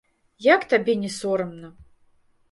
Як табе не сорамна?